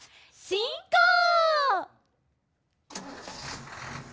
しんこう！